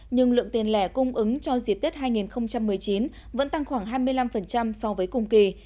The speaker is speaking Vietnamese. nhưng lượng tiền lẻ cung ứng cho dịp tết hai nghìn một mươi chín vẫn tăng khoảng hai mươi năm so với cùng kỳ